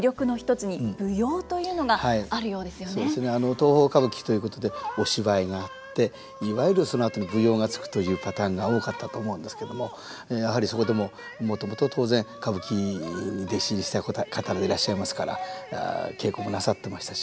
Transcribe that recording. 東宝歌舞伎ということでお芝居があっていわゆるそのあとに舞踊がつくというパターンが多かったと思うんですけどもやはりそこでももともと当然歌舞伎に弟子入りした方でいらっしゃいますから稽古もなさってましたし。